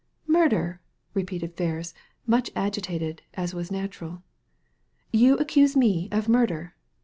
•* Murder I " repeated Ferris, much agitated, as was natural. " You accuse me of murder